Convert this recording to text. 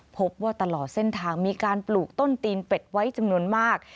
พบว่าตลอดเส้นทางมีการปลูกต้นตีนเป็ดไว้จำนวนมาก